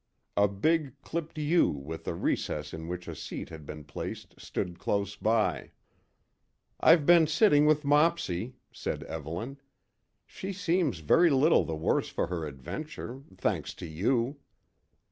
A big, clipped yew with a recess in which a seat had been placed stood close by. "I've been sitting with Mopsy," said Evelyn. "She seems very little the worse for her adventure thanks to you."